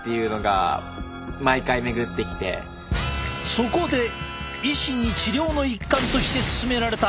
そこで医師に治療の一環として勧められた